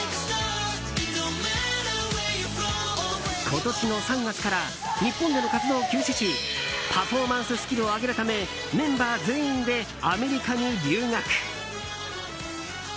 今年の３月から日本での活動を休止しパフォーマンススキルを上げるためメンバー全員でアメリカに留学。